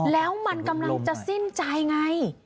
แล้วมันกำลังจะสิ้นใจไง